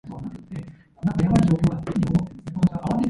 Bergedorf then became part of the former.